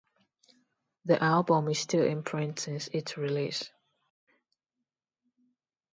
The album is still in print since its release.